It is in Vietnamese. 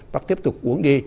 bác tiếp tục uống đi